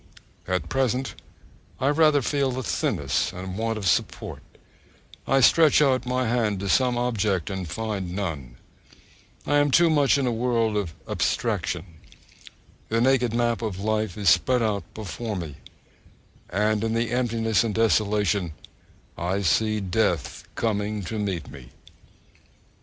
At present I rather feel a thinness and want of support, I stretch out my hand to some object and find none, I am too much in a world of abstraction; the naked map of life is spread out before me, and in the emptiness and desolation I see Death coming to meet me.